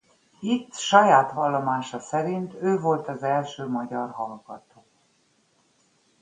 Itt saját vallomása szerint ő volt az első magyar hallgató.